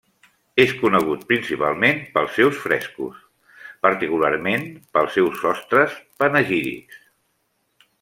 És conegut principalment pels seus frescos, particularment pels seus sostres panegírics.